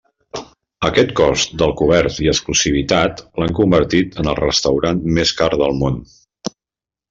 Aquest cost del cobert i exclusivitat l'han convertit en el restaurant més car del món.